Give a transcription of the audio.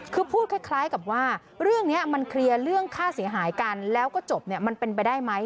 คือพูดคล้ายกับว่าเรื่องนี้มันเคลียร์เรื่องค่าเสียหายกันแล้วก็จบเนี่ยมันเป็นไปได้ไหม